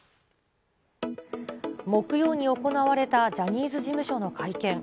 木曜に行われたジャニーズ事務所の会見。